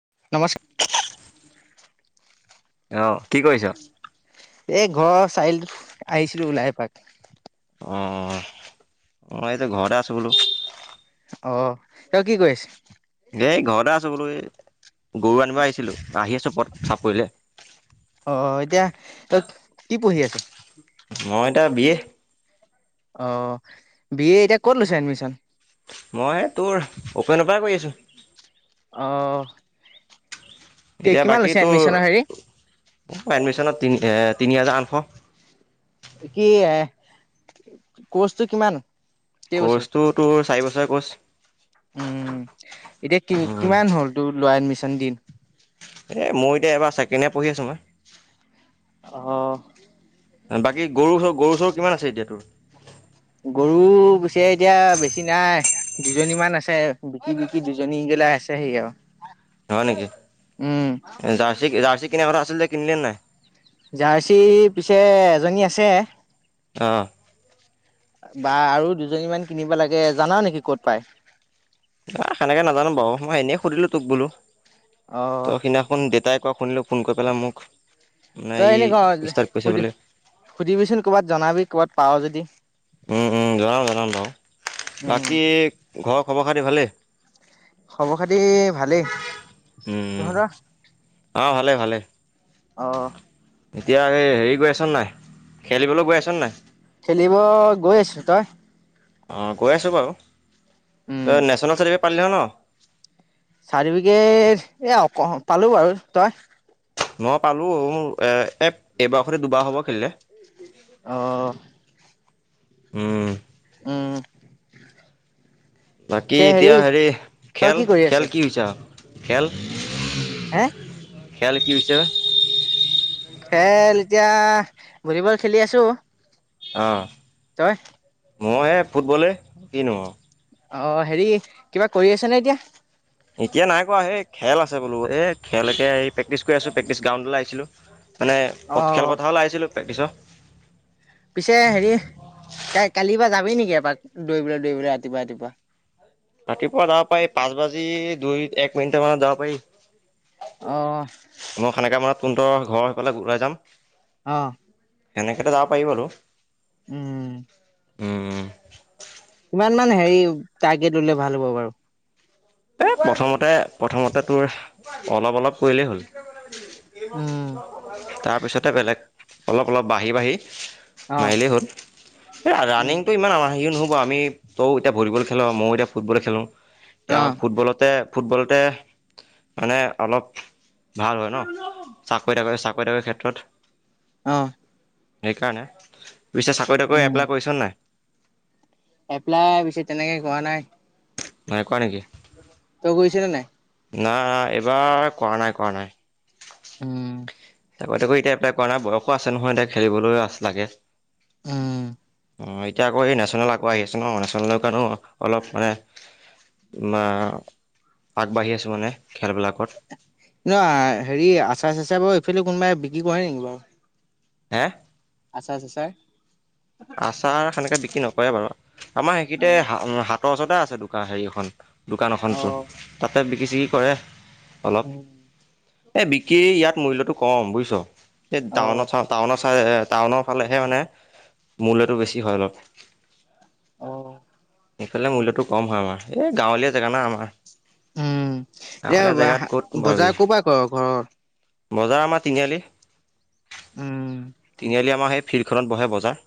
নমস্কাৰ। অঁ কি কৰিছ। এ ঘৰ চাৰি আলিটোত আহিছিলোঁ ওলাই এপাক। অঁ অঁ এতিয়া ঘৰতে আছোঁ বোলো। অঁ তেওঁ কি কৰি আছে। এই ঘৰতে আছোঁ বোলো এই গৰু আনিব আহিছিলোঁ আহিলোঁ চাপৰিলে। অঁ এতিয়া তই কি পঢ়ি আছ। মই এতিয়া বি এ। অঁ বি এ এতিয়া ক'ত লৈছা এডমিশন। পাৰ কৰি আছোঁ। অঁহ। এতিয়া বাকীতো হেৰি যা এডমিচনত। তিনি এ তিনি হাজাৰ আঠশ। কি এ কৰ্চটো কিমান। কেইবছৰ কৰ্চটো তোৰ চাৰি বছৰ ক'ৰ্চ। উম এতিয়া কি উম, কিমান হ'ল তোৰ লোৱা এডমিচন দিন? এই মই এতিয়া এইবাৰ ছেকেণ্ড ইয়াৰ পঢ়ি আছোঁ মই। অহ। ভাল বাকী গৰু-চৰু, গৰু-চৰু কিমান আছে এতিয়া তোৰ। গৰু বেছি এতিয়া বেছি নাই দুজনীমান আছে। বিকি বিকি দুজনী ওলাই আছে সিআৰু। হয় নেকি? জাৰ্চি জাৰ্চি কিনা কথা আছিলে যে কিনিলি নে নাই? জাৰ্চি পিছে এজনী আছে। অহ। বা আৰু দুজনী মান কিনিব লাগে। জানা নেকি ক'ত পাই? না সেনেকে নাজানো বাৰু। মই এনেই সুধিলোঁ তোক বোলো। অ', ত সিদিনাখন দেতাই কোৱা শুনিলোঁ ফোন কৰি পেলাই মোক মানে তই ই এনেকা ষ্টাৰ্ট কৰিছে সুধি বোলে সুধিবিচোন কৰ'বাত জনাবি কৰ'বাত পাৱ যদি। উম, উম। জনাম, জনাম বাৰু। উম। বাকী ঘৰৰ খবৰ খাটি ভালেই? খবৰ খাতি ভালেই। তহঁতৰ? অ ভালে ভালে। অ'। এতিয়া হেৰি গৈ আছন নাই? খেলিবলৈ গৈ আছন নাই। খেলিব গৈ আছো। তই? অঁ গৈ আছোঁ বাও। উম, তই নেচনেল চাৰ্টিফিকেট পালি নহয় নহ? চাৰ্টিফিকেট এ অ পালো বাৰু। তই? ম পালো মোৰ এ এ এবাৰ খতি দুবাৰ হ'ব খেলিলে। অহ। উম। উ। বাকী এতিয়া হেৰি তই কি খেল, কৰি আছ? খেল কি হৈছে আৰু খেল? হে? খেল কি হৈছে অ? খেল এতিয়া ভলীবল খেলি আছো। আহ তই? মই হে ফুটবলে কিনো আও। অ হেৰি কিবা কৰি আছ নে এতিয়া? এতিয়া নাই কৰা, সেই খেল আছে বোলো। এ খেলকে প্ৰেক্টিচ কৰি আছো, প্ৰেক্টিছ গ্ৰাউণ্ডলৈ আহিছিলো। মানে অ'। খেলপথাৰলৈ আহিছিলোঁ প্ৰেক্টিচৰ। পিছে হেৰি তাই কালিৰ পা যাবি নেকি এপাক? দৈবলৈ দৈবলৈ ৰাতিপুৱা-ৰাতিপুৱা? ৰাতিপুৱা যাব পাৰি। পাঁচ বাজি দুই এক মিনিট মানত যাব পাৰি। অ। সোনহঁতৰ ঘৰ সেইফালে ওলাই যাম। আহ সেনেকেটো যাব পাৰি বাৰু। উম। উম। কিমান হেৰি টাৰ্গেট ললে ভাল হ'ব বাৰু? এ প্ৰথমতে প্ৰথমতে তোৰ অলপ অলপ কৰিলেই হ'ল। উম। তাৰপিছতে বেলেগ অলপ অলপ বাঢ়ি বাঢ়ি অ', মাৰিলেই হ'ল। এই উম, ৰানিং টো ইমান আমাৰ হেৰিও নহ আমি তইয়ো এতিয়া ভলীবল খেল। ময়ো এতিয়া ফুটবল খেলোঁ। এতিয়া আমাৰ অ', ফুটবলতে ফুটবলতে মানে অলপ ভাল হয় ন? চাকৰি তাকৰি চাক তাকৰি ক্ষেত্ৰত। অঁ। সেইকাৰণে। পিছে চাকৰি তাকৰি উম। এপ্লাই কৰিছ নে নাই? এপ্লাই পিছে তেনেকে কৰা নাই। নাই কৰা নেকি? তই গৈছ নে নাই? নাই, এইবাৰ কৰা নাই কৰা নাই। উম। তাকো তাকো এতিয়া এপ্লাই কৰা নাই বয়সো আছে নহয় এতিয়া খেলিবলৈ আছ লাগে। উম। অ' এতিয়া আকৌ এই নেশ্যনেল আকৌ আহি আছে ন নেশ্যনেলৰ কাৰণো অলপ মানে বা আগবাঢ়ি আছো মানে খেলবিলাকত। নাই হেৰি আচাৰ চাচাৰ বোৰ এইফালে কোনবাই বিক্ৰী কৰে নেকি বাৰু? হে? আচাৰ চাচাৰ? আচাৰ সেনেকে বিক্ৰী নকৰে বাৰু। আমাৰ সেইকিতে অ', হা - হাতৰ ওচৰতে আছে দোকান হেৰি এখন দোকান এখন টো অ', তাতে বিকি চিকি কৰে অলপ উম, এই বিকি ইয়াত মূল্যটো ক'ম বুইছ। এই অ', টাউনত চা টাউনৰ চাইডেহে টাউনৰ ফালেহে মানে। মূল্যটো বেছি হয় অলপ। অ'। ইফালে মূল্যটো কম হয় আমাৰ। এই গাঁৱলীয়া জেগা না আমাৰ। উম, এতিয়া গাঁৱলীয়া জেগাত ক'ত নো বজাৰ পাবি। ক'ৰ পৰা কৰ ঘৰৰ? বজাৰ আমাৰ তিনিআলি। উম। তিনিআলি আমাৰ সেই ফিল্ডখনত বহে বজাৰ।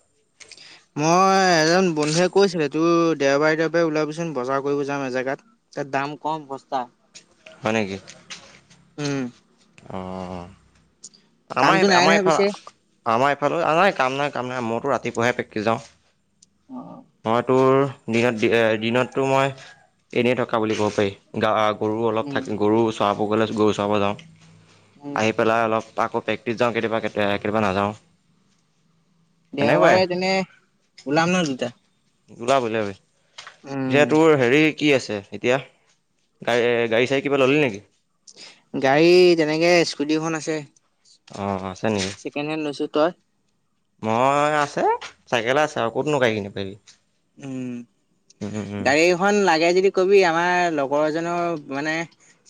[inaudible] মই এজন বন্ধুৱে কৈছিলে, তোৰ দেওবাৰে, দেওবাৰে ওলাবচোন বজাৰ কৰিব যাম এজেগাত। তাত দাম কম সস্তা। হয় নেকি? উম। অ' আমাৰ কামটো সে - নাই আমাৰ নহয় এইফালে পিছে আমাৰ এইফালে আ নাই কাম নাই কাম নাই মইতো ৰাতিপুৱাহে প্ৰেক্টিছ যাওঁ। অ', মই তোৰ দিনত - দিনত তো মই এনেই থকা বুলি ক'ব পাৰি। গা গৰু অলপ উম থাক গৰু চৰাব গ'লে গৰু চৰাব যাওঁ। উম, আহি পেলাই অলপ আকৌ প্ৰেক্টিছ যাওঁ কেতিয়াবা কেতিয়াবা। কেতিয়াবা নাযাওঁ। সেনেকুৱাই দেওবাৰে তেনে ওলাম ন দুটা। ওলাবি ওলাবি। উম পিছে তোৰ হেৰি কি আছে এতিয়া গাড়ী এ গাড়ী চাড়ী কিবা ললি নেকি? গাড়ী তেনেকে স্কুটিখন আছে। অ' অ'। ছেকেণ্ড হেণ্ড লৈছো। তই? মই আছে, চাইকেলে আছে আৰু ক'তনো গাড়ী কিনিব‌ পাৰিবি। উম, উম উম গাড়ী এখন লাগে যদি কবি। আমাৰ লগৰ এজ জনৰ মানে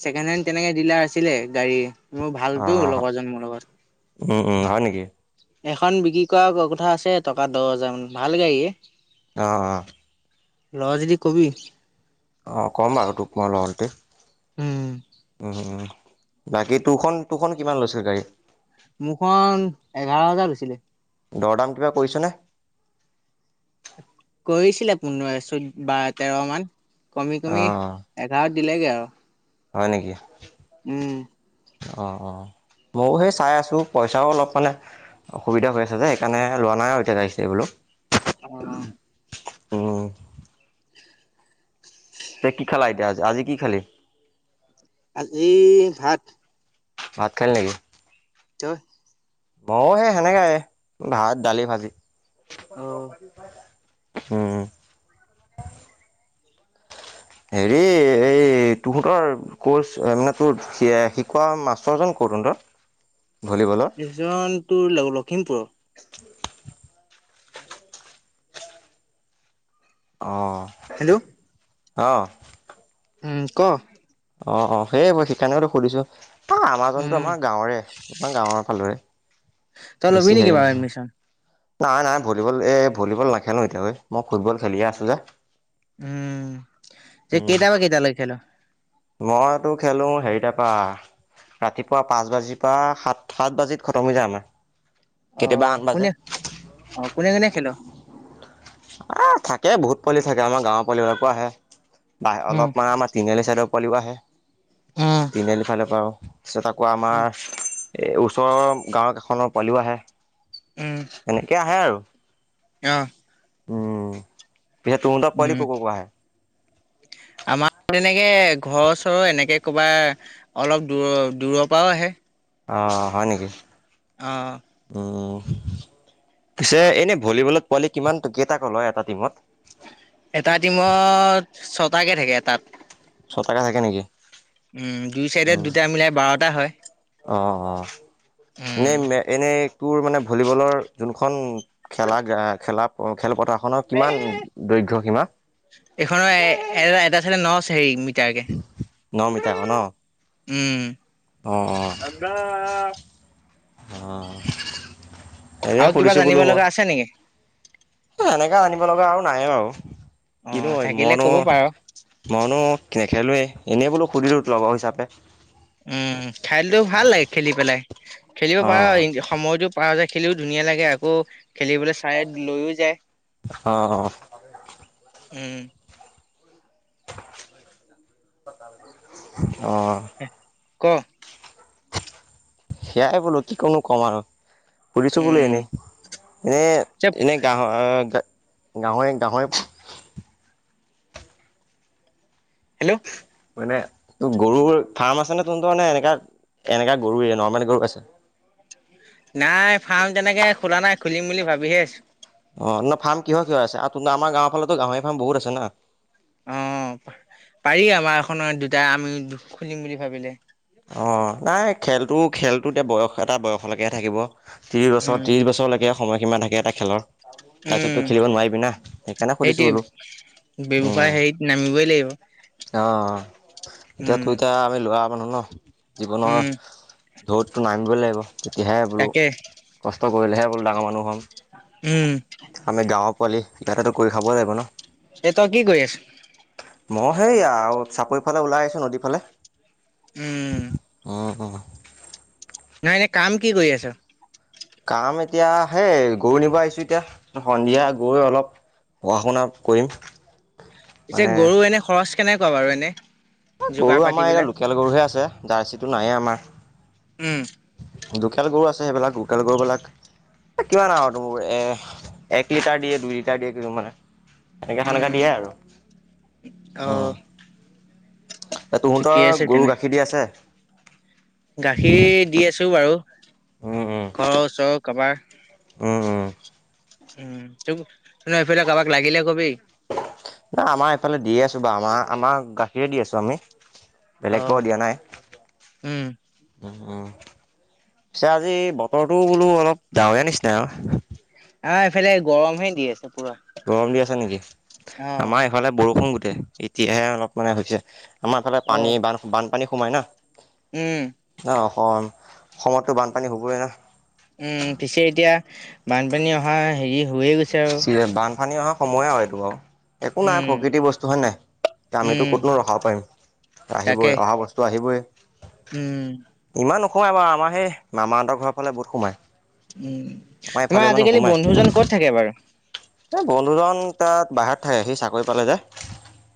ছেকেণ্ড হেণ্ড তেনেকে ডিলাৰ আছিলে গাড়ীৰ। মোৰ ভালতো অঁ লগৰজন মোৰ লগত। উম উম, হয় নেকি? এখন বিক্ৰী কৰা কথা আছে টকা দহ হাজাৰ মান ভাল গাড়ীয়ে। অ', অ'। ল যদি কবি? অ' কম বাৰু তোক মই লও যদি। উম উম উম। বাকী তোৰখন, তোৰখন কিমান লৈছিল গাড়ী? মোৰখন এঘাৰ হাজাৰ লৈছিলে। দৰদাম কিবা কৰিছনে? কৰিছিলে পোন্ধৰ চৈধ বাৰ তেৰ মান কমি, কমি অঁ এঘাৰত দিলেগে আৰু। হয় নেকি? উম। অ'অ ময়ও সেই চাই আছো। পইচাও অলপ মানে অসুবিধা হৈ আছে যে সেইকাৰণে লোৱা নাই আৰু এতিয়া আহিছে বোলো। অ। উম তে কি খেলা এতিয়া, আজি কি খালি? আজি ভাত। ভাত খালি নেকি? তই? মই সেই সেনেকাই ভাত দালি-ভাজি। অ উম। হেৰি এই তহঁতৰ কৰ্চ মানে তোৰ শিকোৱা মাষ্টৰজন ক? তৰুডত [unintelligible] উ। এজন তোৰ লাগ লখিমপুৰৰ। উ [unintelligible] অ হেল্ল' অঁ উম ক অ অ সেইয়ে মই সেইকাৰণেটো সুধিছো, অ আমাজনতো উম আমাৰ গাঁৱৰে আমাৰ গাঁৱৰ ফালৰে তই লবি বেছি নে কি হেৰি বা নহয় এডমিচন? নাই নাই ভলীবল এই ভলীবল নেখেলো এতিয়া গৈ মই ফুটবল খেলিয়ে আছোঁ যে উম সেই উম, কেইটা বা কেইটা লইকে‌ খেল? মইতো খেলো হেৰি তাৰপা ৰাতিপুৱা পাঁচ বাজিৰ পৰা সাত সাত বাজিত খতম হৈ যায় আমাৰ অ কেতিয়াবা আঠ বাজে কোনে অ কোনে কোনে খেল? থাকে বহুত পোৱালি থাকে আমাৰ গাঁৱৰ পোৱালিবিলাকো আহে। বাহ উম অলপমান আমাৰ তিনিআলি চাইডৰ পোৱালিও আহে উম তিনিআলিৰ ফালৰ পৰাও তাৰপিছত আকো উম আমাৰ এই ওচৰৰ গাঁৱৰক এখনৰ পোৱালিও আহে। উম এনেকোৱা আহে আৰু অ উম পিছে তহঁতৰ পোৱালি উম ক ক পৰা আহে? [inaudible] আমাৰ তেনেকে ঘৰৰ চৰৰ এনেকে কৰবা অলপ দূৰ দূৰৰ পৰাও আহে, অ হয় নেকি? আহ উ পিছে এনে ভলীবলত পোৱালি কিমান কেইটাক লয় এটা টিমত? এটা টিমত ছটাকে থাকে তাত ছ টাকে থাকে নেকি? উম দুই চাইডে উম দুটা মিলাই বাৰটা হয়। অঁ ন ম এনেই তোৰ মানে ভলীবলৰ যোনখন খেলা খেলা খেলপথাৰ, খনৰ কিমান উম দৈৰ্ঘ্যসীমা? এইখনৰ এ এ এটা চাইডে ন চ হেৰি, মিটাৰকে ন মিটা আক ন, উম অ আ অ এনে আৰু কিবা সুধিছো জানিব বোলো মই লগা আক, আছে নেকি? এনেকা আনিব লগা আৰু নাই আৰু অ' কিনো থাকিলে মইনো ক'ব পাৰ। মইনো নেখেলোৱে এনেই বোলো সুধিলো লগৰ হিচাপে উম খাই দিলো ভাল লাগে খেলি পেলাই খেলিব পাৰ অ', সময়তটো পাৰ যে খেলিও ধুনীয়া লাগে আকৌ খেলিবলৈ চায়দ লৈও যায় অ', উম আহ ক সেয়াই বোলো কি কিটোনো কম আৰু [unintelligible] [unintelligible] শুনিছোঁ বোলো উম, এনেই এনে চুপ এনে গৰ [unintelligible] গাহৈ গাহৈ হেল্ল' মানে ত গৰুৰ ফাৰ্ম আছে নে তোন তে এনেকা এনেকা গৰুয়ে নৰ্মেল গৰু আছে নাই ফাৰ্ম তেনেকে খোলা নাই খুলিম বুলি ভাবিহে আছো অ ন ফাম কিহৰ কিহৰ আছে আমাৰ গাঁৱৰ ফালতো গাহৰি ফাৰ্ম বহুত আছে না অ পাৰি আমাৰ এখনৰ দুটাই আমি দু খুলিম বুলি ভাবিলো [unintelligible] অ নাই খেলটো খেলটো এতিয়া বয়স এটা বয়সলৈকেহে থাকিব ত্ৰিছ বছৰ উম, ত্ৰিছ বছৰলৈকে সময়সীমা থাকে এটা খেলৰ তাৰপিছত উম, তো খেলিব নোৱাৰিবি না সেইকাৰণে সুধিছো সেইটোৱে বোলো উম ব্যৱসায় হেৰিত নামিবই লাগিব অ এতিয়া উম তোৰ এতিয়া আমি লৰা মানুহ ন জীৱনৰ উম ঢৌতটো নামিবই লাগিব তেতিয়াহে বোলো তাকে কষ্ট কষ্ট কৰিলে হে বুলো ডাঙৰ মানুহ হম উম আমি গাঁৱৰ পোৱালি কিবাতাটো কৰি খাবই লাগিব ন এ তই কি কৰি আছ মই সেইয়া আৰু চাপৰি ফালে ওলাই আহিছো নদী ফালে উম অ অ নাই এনে কাম কি কৰি আছ কাম এতিয়া হেই গৰু নিব আহিছো এতিয়া সন্ধিয়া গৰুৱে অলপ পঢ়া শুনা কৰিম পিছে মানে গৰু এনে খৰচ কেনেকুৱা বাৰু এনে যোগাৰ গৰু আমাৰ এতিয়া পাতিবিলাক লোকেল গৰুহে আছে জাৰ্চিটো নাইয়ে আমাৰ উম লোকেল গৰু আছে সেইবিলাক লোকেল গৰুবিলাক কিমান আও তোৰ এ এক লিটাৰ দিয়ে দুই লিটাৰ দিয়ে কিছুমানে এনেকে সেনেকে উম দিয়ে আৰু অ উম এ তহঁতৰ ঠিকেই আছে গৰু তেনে গাখীৰ দি আছে গাখীৰ দি আছো বাৰু উম উম ঘৰৰ ওচৰৰ কাবাৰ উম উম উম টোক তহত সেইফালে কাবাক লাগিলে কবি নাই আমাৰ এইফালে দিয়ে আছো বা আমাৰ আমাৰ গাখীৰে দি আছো আমি অ বেলেগ বাও দিয়া নাই উম উ উ পিছে আজি বতৰটো বোলো অলপ ডাৱৰীয়া নিচিনা। আ এইফালে গৰম হে দি আছে পুৰা গৰম দি আছে নেকি অ আমাৰ এইফালে বৰষুণ গোটেই এতিয়াহে অলপ মানে হৈছে আমাৰ ফালে অ পানী বান বানপানী সোমাই না উম ন অসম অসমতো বানপানী হবই আ উম পিছে এতিয়া বানপানী অহা হেৰি হৈয়ে গৈছে আৰু বানপানী অহা সময়ে আৰু এইটো আৰু একো নাই উম প্ৰকৃতি বস্তু হয় নাই আমিতো উম ক'তনো ৰখাব পাৰিম।। তাকে আহিবই অহা বস্তু আহিবই উম ইমান নোসোমাই আমাৰ সেই মামাহঁতৰ ঘৰৰফালে বহুত সোমাই। উ আমাৰ এইফালে তোমাৰ আজিকালি বন্ধুজন ক'ত থাকে বাৰু এ বন্ধুজন তাত বাহিৰত থাকে সি চাকৰি পালে যে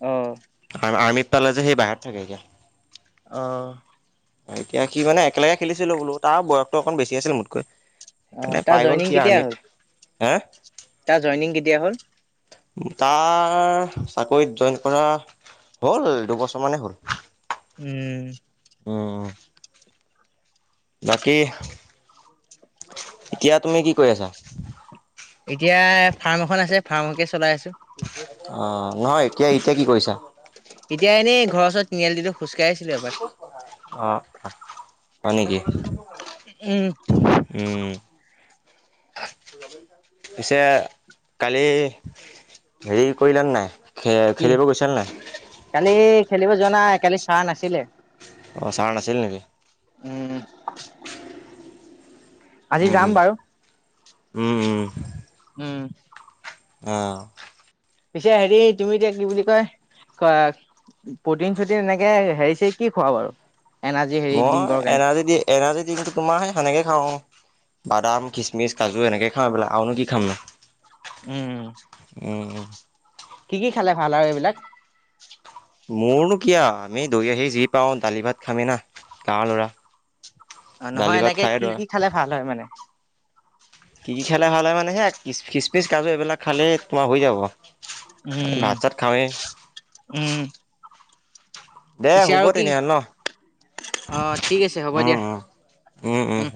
অ আৰ্মিত পালে যে সেই বাহিৰত থাকে গে অ এতিয়া কি মানে একেলগে খেলিছিলো বোলো তাৰ বয়সতটো অকণ বেছি আছিল মোতকৈ সেইকাৰণে তাৰ পাই গ'ল জইনিং সি কেতিয়া আৰ্মিত হ'ল হে তাৰ জইনিং কেতিয়া হ'ল তাৰ চাকৰিত জইন কৰা। হ'ল দুবছৰ মানেই হ'ল উম অ অ বাকী এতিয়া তুমি কি কৰি আছা এতিয়া ফাৰ্ম এখন আছে ফাৰ্মকে চলাই আছে। অ নহয় কি কৰিছা এতিয়া এনেই ঘৰৰ ওচৰত তিনিয়ালিটোত খোজকাঢ়ি আছিলো এপাক অ হয় নেকি উম উম [inaudible] পিছে কালি হেৰি কৰিলান নাই খে কি খেলিব গৈছা নে নাই কালি খেলিব যোৱা নাই কালি চাৰ নাছিলে অ চাৰ নাছিল নেকি? উম আজি উম যাম উম বাৰু উম উম উম অ পিছে হেৰি তুমি এতিয়া কি বুলি কয় প্ৰটিন চটিন এনেকে হেৰি চেৰি কি খোৱা বাৰু এনাৰ্জি হেৰি মই ড্ৰিংকৰ কাৰণে এনাৰ্জি দি এনাৰ্জি ডংটো তোমাৰ সে সেনেকে খাওঁ বাদাম খিচমিচ কাজু এনেকে খামও এইবিলাক আৰুনো কি খাম উম নো উম কি কি খালে ভাল আৰু এইবিলাক মোৰনো কিয় আউ আমি দুয়ো আহি যি পাওঁ দালি ভাত খামি না গাৱৰ ল'ৰা- অ দালি নহয় ভাত এনেকে খায়ে কি দৌৰা কি খালে ভাল হয় মানে। কি কি খালে ভাল হয় মানে সেয়া খিচমিচ কাজু এইবিলাক খালেই তোমাৰ হৈ যাব। উম ভাত চাত খাওঁৱেই উম দে পিছে হ'ব আৰু কি তেতিনেহ'লে ন অ ঠিক আছে হ'ব উম দিয়া। উম উম